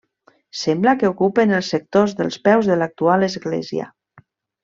Sembla que ocupen els sectors dels peus de l'actual església.